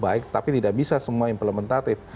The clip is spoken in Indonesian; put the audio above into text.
baik tapi tidak bisa semua implementatif